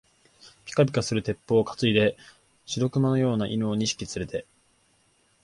ぴかぴかする鉄砲をかついで、白熊のような犬を二匹つれて、